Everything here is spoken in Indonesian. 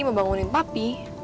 dia bangunin papi